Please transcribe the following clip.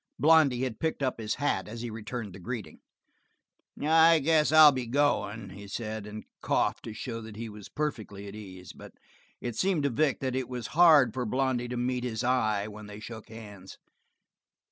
Blondy had picked up his hat as he returned the greeting. "I guess I'll be going," he said, and coughed to show that he was perfectly at ease, but it seemed to Vic that it was hard for Blondy to meet his eye when they shook hands.